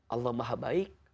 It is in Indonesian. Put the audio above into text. allah maha baik